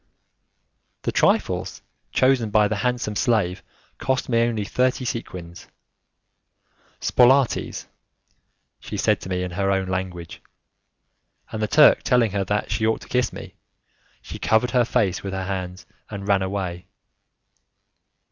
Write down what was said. The trifles chosen by the handsome slave cost me only thirty sequins. 'Spolaitis', she said to me in her own language, and the Turk telling her that she ought to kiss me, she covered her face with her hands, and ran away.